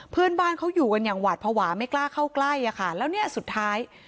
เพื่อนบ้านเขาอยู่กันอย่างหวาดภาวะไม่กล้าเข้าใกล้อะค่ะแล้วเนี่ยสุดท้าย